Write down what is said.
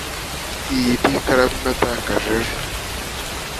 Iyi ni ikaramu natakaje ejo